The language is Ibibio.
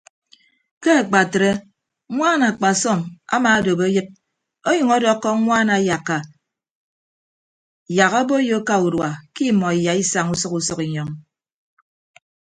Ke akpatre ñwaan akpasọm amaadop eyịd ọnyʌñ ọdọkkọ ñwaan ayakka yak aboiyo aka urua ke imọ iyaisaña usʌk usʌk inyọñ.